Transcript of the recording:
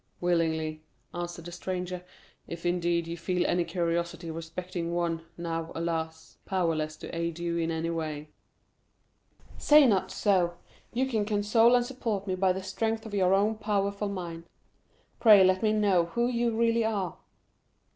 "Willingly," answered the stranger; "if, indeed, you feel any curiosity respecting one, now, alas, powerless to aid you in any way." "Say not so; you can console and support me by the strength of your own powerful mind. Pray let me know who you really are?"